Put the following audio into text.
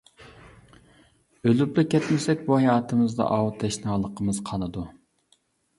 ئۆلۈپلا كەتمىسەك بۇ ھاياتىمىزدا ئاۋۇ تەشنالىقىمىز قانىدۇ.